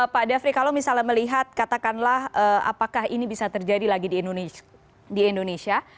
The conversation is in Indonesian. pak devri kalau misalnya melihat katakanlah apakah ini bisa terjadi lagi di indonesia